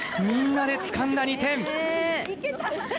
みんなでつかんだ２点！